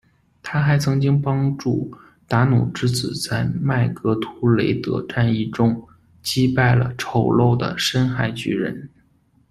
她还曾经帮助达努之子在麦格图雷德战役中击败了丑陋的深海巨人。